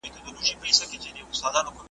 لا پر ونو باندي نه ووګرځېدلی .